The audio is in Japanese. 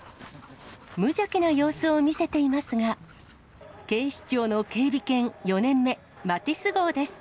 無邪気な様子を見せていますが、警視庁の警備犬４年目、マティス号です。